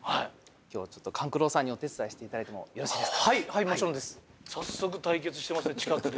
今日はちょっと勘九郎さんにお手伝いしていただいてもよろしいですか？